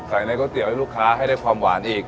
ในก๋วยเตี๋ยวให้ลูกค้าให้ได้ความหวานอีก